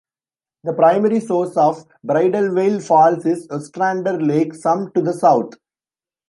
The primary source of Bridalveil Falls is Ostrander Lake, some to the south.